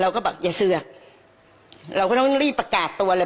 เราก็บอกอย่าเสือกเราก็ต้องรีบประกาศตัวเลย